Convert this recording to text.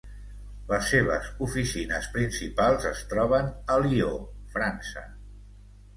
Les seves oficines principals es troben a Lió, França.